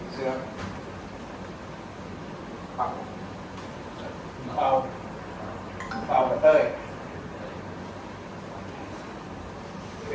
คุณพร้อมคุณพร้อมกับเต้ย